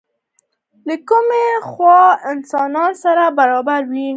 له کومې خوا انسانان سره برابر وو؟